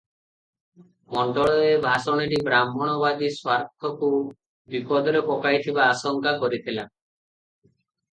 ମଣ୍ଡଳ ଏ ଭାଷଣଟି ବ୍ରାହ୍ମଣବାଦୀ ସ୍ୱାର୍ଥକୁ ବିପଦରେ ପକାଇଥିବା ଆଶଙ୍କା କରିଥିଲା ।